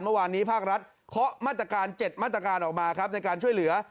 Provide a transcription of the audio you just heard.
เมื่อวานนี้ภาครัฐเคาะมาตรการ๗มาตรการออกมาครับในการช่วยเหลือ